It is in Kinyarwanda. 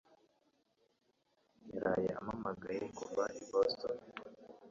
yaraye ampamagaye kuva i Boston.